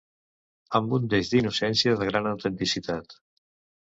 Amb un deix d'innocència de gran autenticitat.